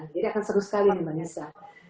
jadi akan seru sekali mbak nisa